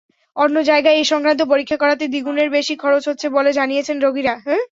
অন্য জায়গায় এ-সংক্রান্ত পরীক্ষা করাতে দ্বিগুণেরও বেশি খরচ হচ্ছে বলে জানিয়েছেন রোগীরা।